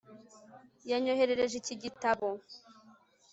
Yanyoherereje iki gitabo